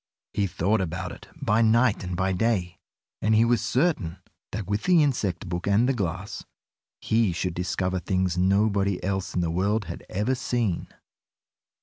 He thought about it by night and by day, and he was certain that with the insect book and the glass, he should discover things nobody else in the world had ever seen.